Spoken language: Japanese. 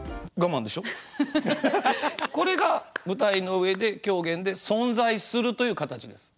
これが舞台の上で狂言で存在するという形です。